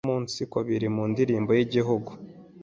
numunsiko biri mu ndirimbo y’Igihugu